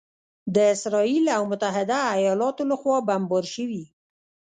د اسراییل او متحده ایالاتو لخوا بمبار شوي